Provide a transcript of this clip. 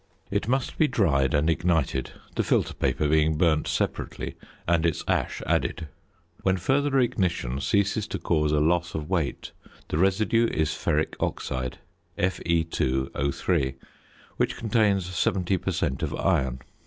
It must be dried and ignited, the filter paper being burnt separately and its ash added. When further ignition ceases to cause a loss of weight, the residue is ferric oxide (Fe_O_), which contains 70 per cent. of iron.